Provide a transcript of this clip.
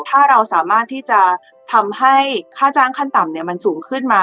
ถ้าเราสามารถที่จะทำให้ค่าจ้างขั้นต่ำมันสูงขึ้นมา